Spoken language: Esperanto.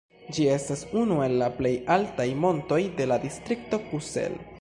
Ĝi estas unu el la plej altaj montoj de la distrikto Kusel.